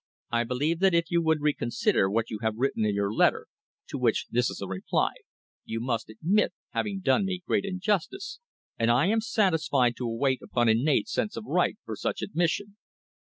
I believe that if you would recon sider what you have written in your letter, to which this is a reply, you must admit having done me great injustice, and I am satisfied to await upon innate sense of right for such admission.